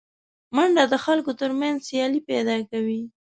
منډه د خلکو تر منځ سیالي پیدا کوي